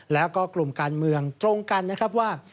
แล้วก็กลุ่มการเมืองตรงกันนะครับว่า